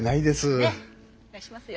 ねっお願いしますよ。